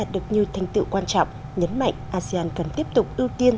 được nhiều thành tựu quan trọng nhấn mạnh asean cần tiếp tục ưu tiên